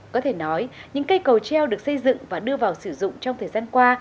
có thể nói những cây cầu treo được xây dựng và đưa vào sử dụng trong thời gian qua